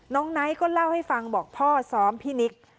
ไนท์ก็เล่าให้ฟังบอกพ่อซ้อมพี่นิก